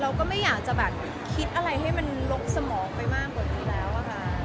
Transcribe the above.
เราก็ไม่อยากจะแบบคิดอะไรให้มันลกสมองไปมากกว่านี้แล้วอะค่ะ